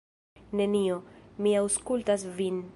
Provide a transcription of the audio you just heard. Nenio, mi aŭskultas vin.